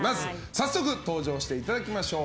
早速登場していただきましょう。